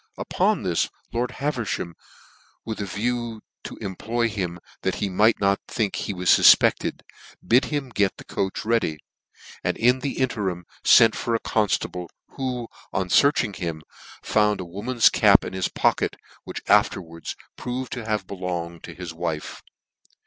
Upon this lord Haverfham, with a.view to em ploy him, that he might not think he was fufped: ed, bid him get the coach ready, and in the in terim fent for a conilablc, who, on fearching him, found a woman's cap in his pocket, which after wards proved to have belonged to his wife.